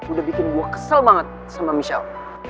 udah bikin gue kesel banget sama michelle